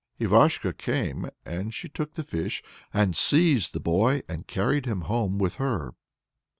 Ivashko came, and she took the fish, and seized the boy and carried him home with her.